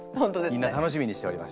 みんな楽しみにしておりました。